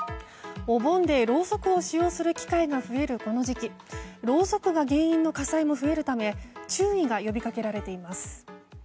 お盆でろうそくを使用する機会が増えるこの時期ろうそくが原因の火災も増えるため注意が呼びかけられています。